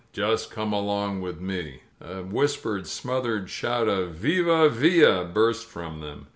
Just come along with me." A whispered, smothered shout of "Viva Villa !" burst from them.